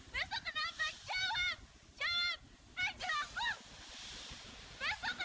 jalan kung jalan se di sini ada pesta besar besaran